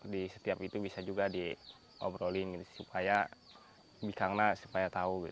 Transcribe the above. di setiap itu bisa juga diobrolin supaya bikangna supaya tahu